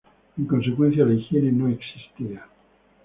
En consecuencia la higiene no existía.